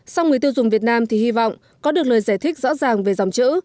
sau người tiêu dùng việt nam thì hy vọng có được lời giải thích rõ ràng về dòng chữ